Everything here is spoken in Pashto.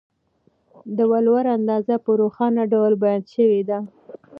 د ولور اندازه په روښانه ډول بیان سوې ده.